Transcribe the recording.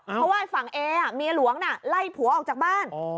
เพราะว่าฝั่งเอเมียหลวงน่ะไล่ผัวออกจากบ้าน